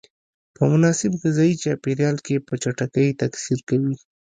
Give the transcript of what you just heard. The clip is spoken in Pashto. په مناسب غذایي چاپیریال کې په چټکۍ تکثر کوي.